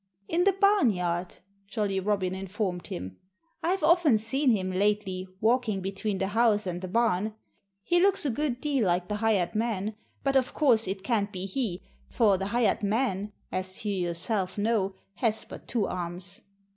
"In the barnyard!" Jolly Robin informed him. "I've often seen him lately, walking between the house and the barn. He looks a good deal like the hired man. But of course it can't be he, for the hired man as you yourself know has but two arms."